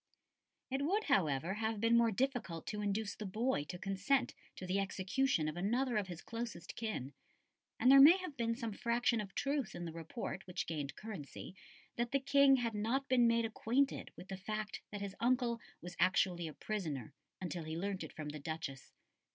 It would, however, have been more difficult to induce the boy to consent to the execution of another of his closest kin, and there may have been some fraction of truth in the report which gained currency that the King had not been made acquainted with the fact that his uncle was actually a prisoner until he learnt it from the Duchess.